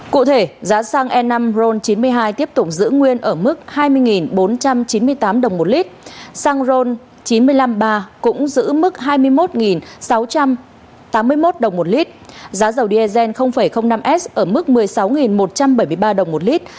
cụ thể giá xăng e năm ron chín mươi hai tiếp tục giữ nguyên ở mức hai mươi bốn trăm chín mươi tám đồng một lít xăng ron chín trăm năm mươi ba cũng giữ mức hai mươi một sáu trăm tám mươi một đồng một lít giá dầu diesel năm s ở mức một mươi sáu một trăm bảy mươi ba đồng một lít